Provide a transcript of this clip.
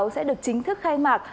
sẽ được chính thức khai mạc